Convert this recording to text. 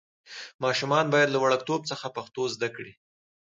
ماشومان باید له وړکتوب څخه پښتو زده کړي.